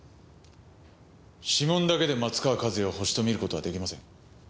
指紋だけで松川一弥を犯人と見る事は出来ません。